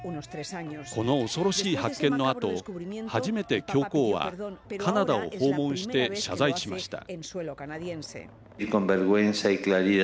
この恐ろしい発見のあと初めて教皇はカナダを訪問して謝罪しました。